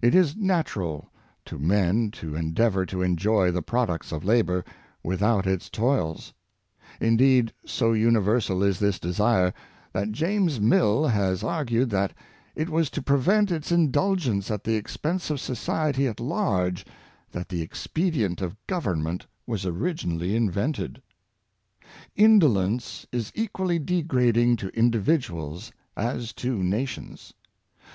It is natural to men to endeavor to enjoy the products of labor without its toils. Indeed, so universal is this desire, that James Mill has argued that it was to prevent its indulgence at the expense of society at large, that the expedient of government was originally invented. 148 The Curse of Idleness, Indolence is equally degrading to individuals as to nations.